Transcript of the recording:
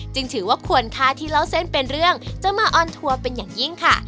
ถือว่าควรค่าที่เล่าเส้นเป็นเรื่องจะมาออนทัวร์เป็นอย่างยิ่งค่ะ